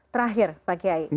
terakhir pak kiai